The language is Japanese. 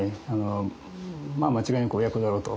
まあ間違いなく親子だろうと。